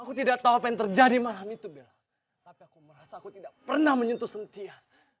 aku tidak tahu apa yang terjadi malam itu aku tidak pernah menyentuh sentia